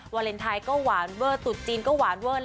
วาเลนไทยก็หวานเวอร์ตุจีนก็หวานเวอร์